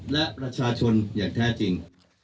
และประชาชนอย่างแท้จริง